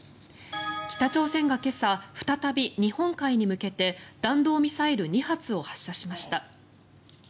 北朝鮮が今朝、再び日本海に向けて弾道ミサイル２発を発射しました。